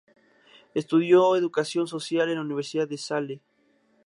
Estudió Educación Social en la Universidad de La Salle.